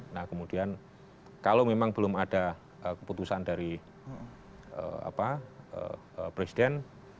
nah kemudian kalau memang belum ada keputusan dari presiden